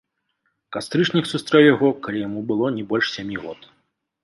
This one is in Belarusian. Кастрычнік сустрэў яго, калі яму было не больш сямі год.